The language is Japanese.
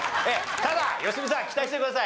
ただ良純さん期待してください。